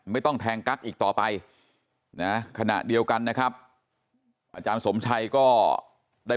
ไม่ต้องแทงกั๊กอีกต่อไปนะขณะเดียวกันนะครับอาจารย์สมชัยก็ได้